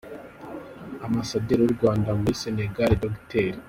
Ambasaderi w’u Rwanda muri Sénégal Dr.